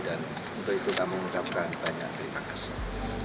dan untuk itu kami mengucapkan banyak terima kasih